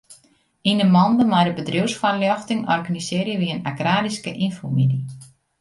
Yn 'e mande mei de bedriuwsfoarljochting organisearje wy in agraryske ynfomiddei.